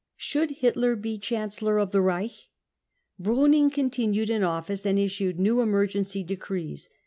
* Should Hitler be Chancellor of the Reich? Pruning dbntinued in office, and issued new emergency decrees.